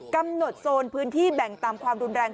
กำหนดโซนพื้นที่แบ่งตามความรุนแรง